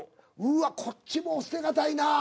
うわっこっちも捨てがたいな。